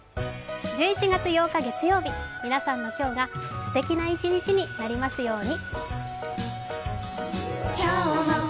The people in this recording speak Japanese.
１１月８日月曜日、皆さんの今日がすてきな一日になりますように。